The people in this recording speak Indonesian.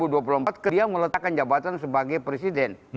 dia meletakkan jabatan sebagai presiden